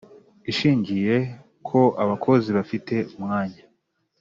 ishingiye ko abakozi bafite umwanya